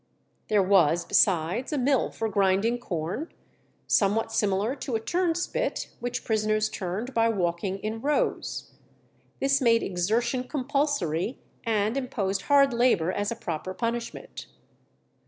There was, besides, a mill for grinding corn, somewhat similar to a turn spit, which prisoners turned by walking in rows. This made exertion compulsory, and imposed hard labour as a proper punishment.